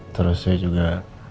terus saya juga